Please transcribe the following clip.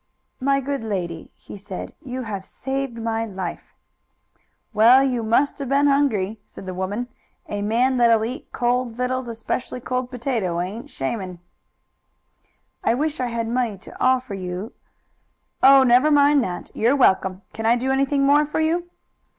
"My good lady," he said, "you have saved my life." "Well, you must 'a' been hungry," said the woman. "A man that'll eat cold vittles, especially cold potato, ain't shammin'." "I wish I had money to offer you " "Oh, never mind that; you're welcome. Can I do anything more for you?"